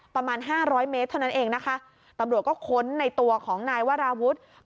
ประมาณห้าร้อยเมตรเท่านั้นเองนะคะตำรวจก็ค้นในตัวของนายวราวุฒิ